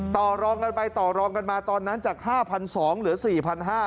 ต่อรองกันไปต่อรองกันมาตอนนั้นจากห้าพันสองเหลือสี่พันห้า